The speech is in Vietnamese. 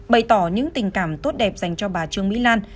bày tỏ những tình cảm tốt đẹp dành cho bà trương mỹ lan